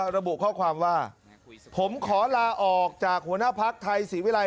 ระบุข้อความว่าผมขอลาออกจากหัวหน้าพักไทยศรีวิรัย